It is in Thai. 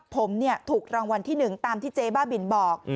ผมถูกรางวัลที่๑ตามที่เจ๊บ้าบินบอก